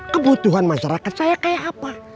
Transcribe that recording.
kebutuhan masyarakat saya kayak apa